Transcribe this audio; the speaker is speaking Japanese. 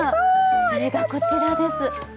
それがこちらです。